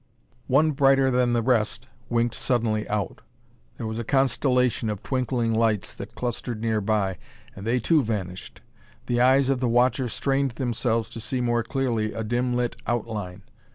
One brighter than the rest winked suddenly out. There was a constellation of twinkling lights that clustered nearby, and they too vanished. The eyes of the watcher strained themselves to see more clearly a dim lit outline.